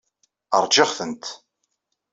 Ṛjiɣ-tent.